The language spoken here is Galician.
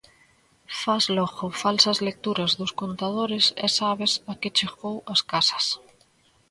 Fas logo falsas lecturas dos contadores e sabes a que chegou ás casas.